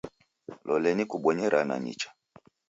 Lolenyi kubonyeranya nicha